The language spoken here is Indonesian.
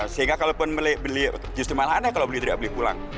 sehingga kalau pun beli justru malah anda kalau beli tidak beli pulang